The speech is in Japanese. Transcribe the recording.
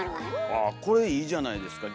あこれいいじゃないですか。